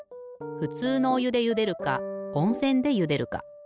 ふつうのおゆでゆでるかおんせんでゆでるか。